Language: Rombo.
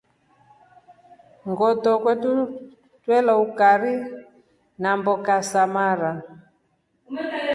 Ngoto twelya ukari namboka za mara.